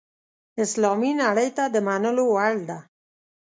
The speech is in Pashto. اسلامي نړۍ ته د منلو وړ ده.